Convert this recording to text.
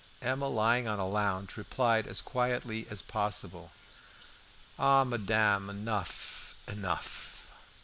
Emma, lying on a lounge, replied as quietly as possible "Ah! Madame, enough! enough!"